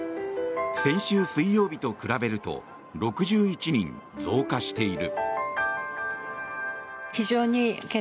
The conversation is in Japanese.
先週水曜日と比べると６１人増加している。